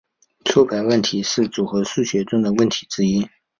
错排问题是组合数学中的问题之一。